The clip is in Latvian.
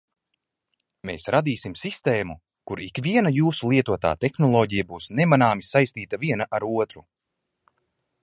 Mēs radīsim sistēmu, kur ikviena jūsu lietotā tehnoloģija būs nemanāmi saistīta viena ar otru.